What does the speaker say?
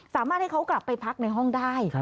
สามารถให้เขากลับไปพักในห้องได้